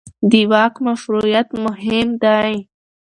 د واک مشروعیت مهم دی